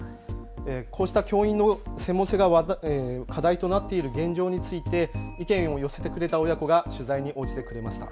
こうした教員の専門性が課題となっている現状について意見を寄せてくれた親子が取材に応じてくれました。